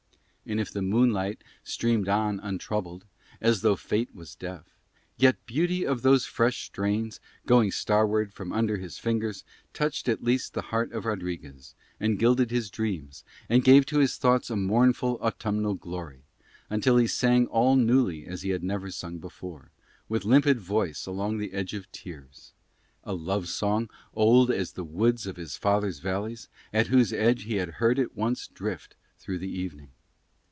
And if the moonlight streamed on untroubled, and though Fate was deaf, yet beauty of those fresh strains going starward from under his fingers touched at least the heart of Rodriguez and gilded his dreams and gave to his thoughts a mournful autumnal glory, until he sang all newly as he never had sung before, with limpid voice along the edge of tears, a love song old as the woods of his father's valleys at whose edge he had heard it once drift through the evening.